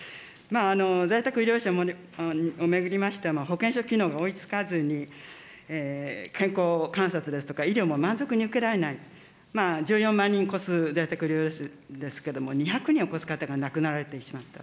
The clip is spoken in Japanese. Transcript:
在宅医療者を巡りましては、保健所機能が追いつかずに、健康観察ですとか医療も満足に受けられない、１４万人を超す在宅療養数ですけれども、２００人を超す方が亡くなられてしまった。